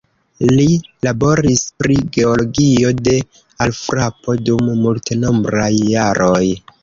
Li laboris pri geologio de alfrapo dum multenombraj jaroj.